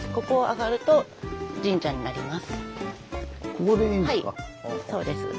ここでいいんですか？